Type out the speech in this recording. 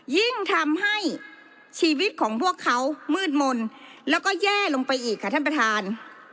ยิ่งทำให้ชีวิตของพวกเขามืดมนต์แล้วก็แย่ลงไปอีกค่ะท่านประธาน